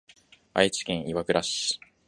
愛知県岩倉市